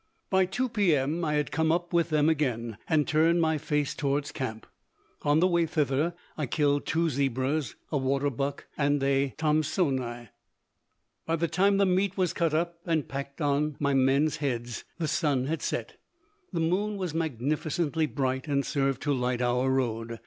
By 2 P. M., I had come up with them again and turned my face toward camp. On the way thither, I killed two zebras, a waterbuck and a Thomsonii. By the time the meat was cut up and packed on my men's heads the sun had set. The moon was magnificently bright and served to light our road.